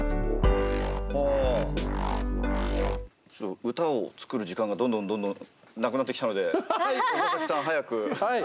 ちょっと歌を作る時間がどんどんどんどんなくなってきたのではい！